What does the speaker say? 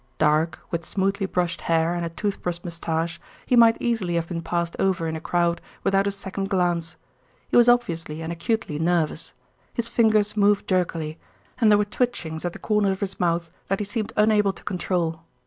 Dark, with smoothly brushed hair and a toothbrush moustache, he might easily have been passed over in a crowd without a second glance. He was obviously and acutely nervous. His fingers moved jerkily, and there were twitchings at the corners of his mouth that he seemed unable to control.